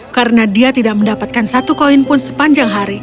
karena dia tidak mendapatkan satu koin pun sepanjang hari